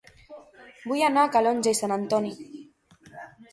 Vull anar a Calonge i Sant Antoni